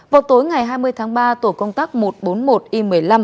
vào tối ngày hai mươi tháng ba tổ công tác một trăm bốn mươi một i một mươi năm